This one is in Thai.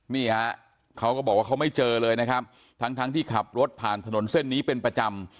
นี่ฮะเขาก็บอกว่าเขาไม่เจอเลยนะครับทั้งทั้งที่ขับรถผ่านถนนเส้นนี้เป็นประจำ